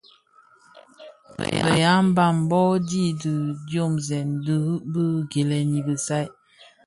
Bë ya mbam bō dhi di diomzèn dirim bi gilèn i bisai.